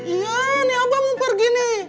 iya nih abah mau pergi nih